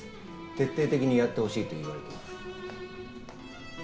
徹底的にやってほしいと言われてます。